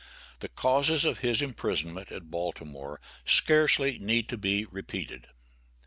The causes of his imprisonment at Baltimore scarcely need to be repeated.